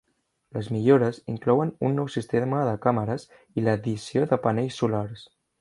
Les millores inclouen un nou sistema de càmeres i l'addició de panells solars.